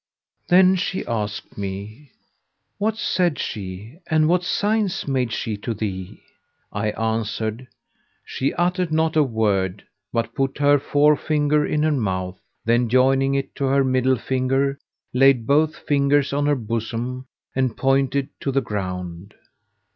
Then she asked me, "What said she, and what signs made she to thee?" I answered, "She uttered not a word, but put her fore finger in her mouth, then joining it to her middle finger, laid both fingers on her bosom and pointed to the ground.